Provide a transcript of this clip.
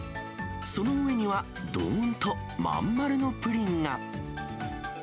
その上にはどーんと真ん丸のプリンが。